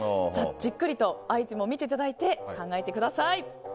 じっくりとアイテムを見て考えてください。